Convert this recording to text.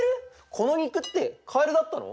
この肉ってかえるだったの！？